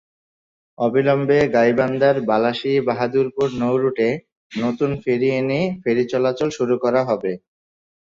অবিলম্বে গাইবান্ধার বালাসী-বাহাদুরাবাদ নৌরুটে নতুন ফেরি এনে ফেরি চলাচল শুরু করা হবে।